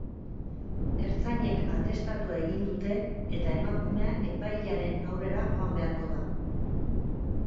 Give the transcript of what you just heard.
Ertzainek atestatua egin dute eta emakumea epailearen aurrera joan beharko da.